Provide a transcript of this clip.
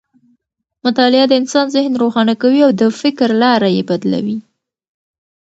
مطالعه د انسان ذهن روښانه کوي او د فکر لاره یې بدلوي.